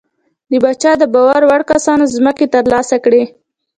د پاچا د باور وړ کسانو ځمکې ترلاسه کړې.